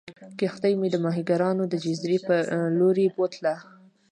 کښتۍ مې د ماهیګیرانو د جزیرې په لورې بوتله.